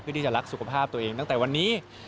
ที่จะรักสุขภาพตัวเองตั้งแต่วันนี้